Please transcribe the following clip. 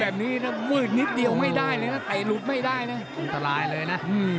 เรียบมือดีเรียบมือดีทุกอย่างนะ